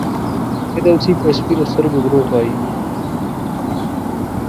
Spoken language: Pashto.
فردوسي په سپینو سترګو دروغ وایي.